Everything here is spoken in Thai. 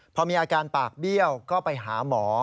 พอมีอาการปากเบี้ยวก็ไปหาหมอ